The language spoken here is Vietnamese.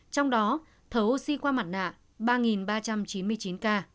trong đó thấu oxy qua mặt nạ ba ba trăm chín mươi chín ca